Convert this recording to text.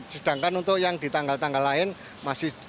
sedangkan untuk yang di tanggal tanggal lain masih tersedia cukup banyak